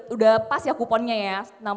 udah pas ya kuponnya ya